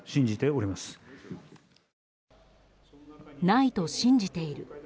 ないと信じている。